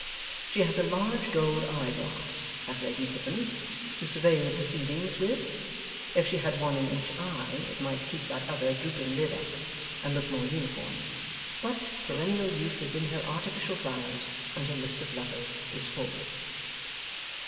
She has a large gold eye glass, has Lady Tippins, to survey the proceedings with. If she had one in each eye, it might keep that other drooping lid up, and look more uniform. But perennial youth is in her artificial flowers, and her list of lovers is full.